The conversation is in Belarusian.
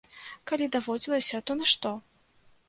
Калі даводзілася, то на што?